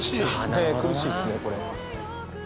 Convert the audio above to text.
ねえ苦しいですねこれ。